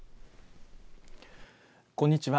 こんにちは。